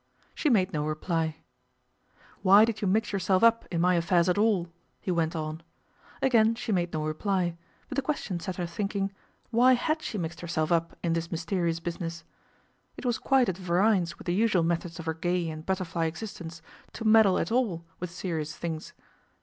She made no reply. 'Why did you mix yourself up in my affairs at all?' he went on. Again she made no reply, but the question set her thinking: why had she mixed herself up in this mysterious business? It was quite at variance with the usual methods of her gay and butterfly existence to meddle at all with serious things.